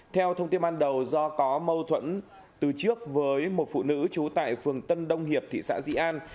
theo thông tin ban đầu do có mâu thuẫn từ trước với một phụ nữ trú tại phường tân đông hiệp thị xã di an